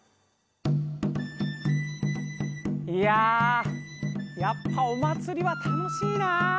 いややっぱお祭りは楽しいな。